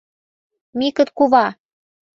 МИКЫТ КУВА